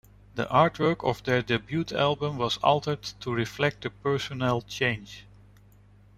The artwork of their debut album was altered to reflect the personnel change.